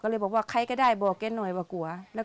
ก็เลยบอกว่าใครก็ได้บอกแกหน่อยว่ากลัว